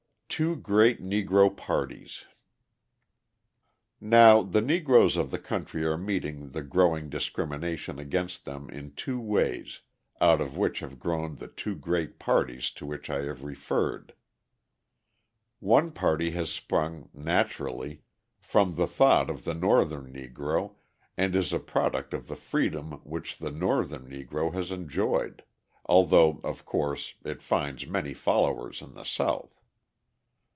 Two Great Negro Parties Now, the Negroes of the country are meeting the growing discrimination against them in two ways, out of which have grown the two great parties to which I have referred. One party has sprung, naturally, from the thought of the Northern Negro and is a product of the freedom which the Northern Negro has enjoyed; although, of course, it finds many followers in the South.